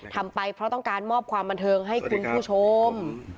ทำไปเพราะต้องการมอบความบันเทิงให้คุณผู้ชม